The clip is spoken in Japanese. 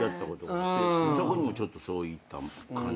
そこにもちょっとそういった感じの。